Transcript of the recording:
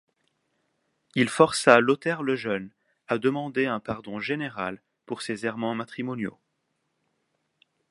Il força Lothaire le Jeune à demander un pardon général pour ses errements matrimoniaux.